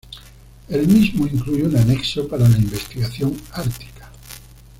El mismo incluye un anexo para la investigación ártica.